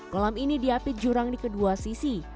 kolam ini diapit jurang di kedua sisi